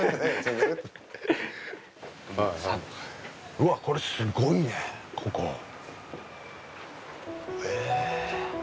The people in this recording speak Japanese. うわっこれすごいねここ。え。